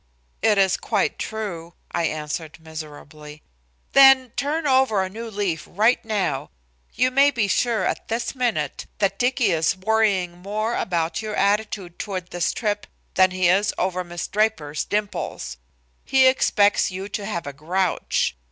"It is quite true," I answered miserably. "Then turn over a new leaf right now. You may be sure at this minute that Dicky is worrying more over your attitude toward this trip than he is over Miss Draper's dimples. He expects you to have a grouch.